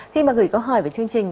khi mà gửi câu hỏi về chương trình